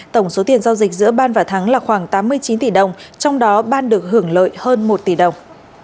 tổng số tiền giao dịch giữa ban và thắng là khoảng tám mươi chín tỷ đồng trong đó ban được hưởng lợi hơn một tỷ đồng